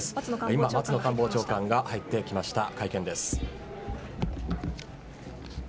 今、松野官房長官が入ってきました、会見です。